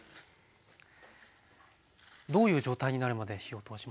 どういう状態になるまで火を通しますか？